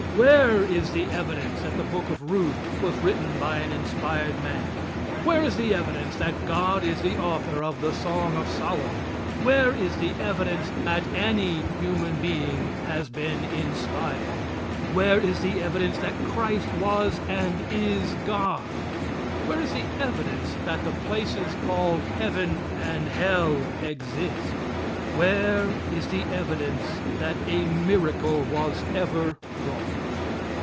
Where is the evidence that the book of Ruth was written by an inspired man? Where is the evidence that God is the author of the Song of Solomon? Where is the evidence that any human being has been inspired? Where is the evidence that Christ was and is God? Where is the evidence that the places called heaven and hell exist? Where is the evidence that a miracle was ever wrought?